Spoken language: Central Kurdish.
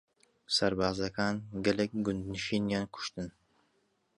سەربازەکان گەلێک گوندنشینیان کوشتن.